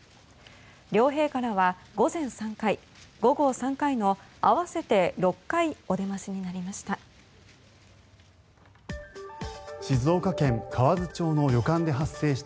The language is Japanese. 両陛下らは午前３回、午後３回の合わせて６回お出ましになりました。